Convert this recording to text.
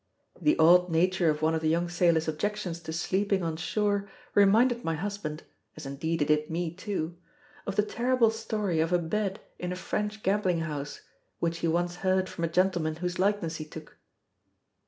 The odd nature of one of the young sailor's objections to sleeping on shore reminded my husband (as indeed it did me too) of the terrible story of a bed in a French gambling house, which he once heard from a gentleman whose likeness he took.